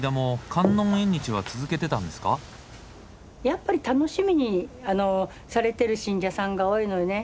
やっぱり楽しみにされてる信者さんが多いのよね。